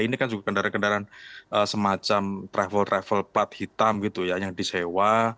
ini kan juga kendaraan kendaraan semacam travel travel plat hitam gitu ya yang disewa